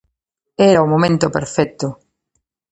Era o momento perfecto.